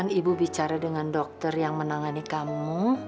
kapan ibu bicara dengan dokter yang menangani kamu